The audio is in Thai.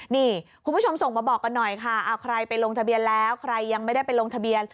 นี่คุณผู้ชมส่งมาบอกกันหน่อยค่ะเอาใครไปลงทะเบียนแล้วใครยังไม่ได้ไปลงทะเบียน